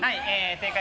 正解。